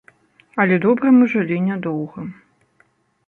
Але добра мы жылі нядоўга.